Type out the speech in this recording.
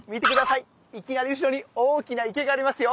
いきなり後ろに大きな池がありますよ。